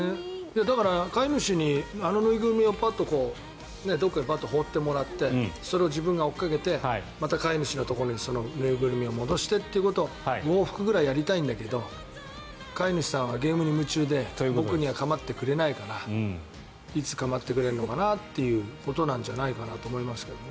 だから飼い主にあの縫いぐるみをパッとどこかへ放ってもらってそれを自分が追いかけてまた飼い主のところに縫いぐるみを戻してということを５往復ぐらいやりたいんだけど飼い主さんはゲームに夢中で僕には構ってくれないからいつ構ってくれるのかなということじゃないかなと思いますけどね。